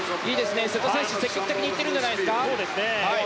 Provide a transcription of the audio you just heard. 瀬戸選手、積極的に行っているんじゃないんですか。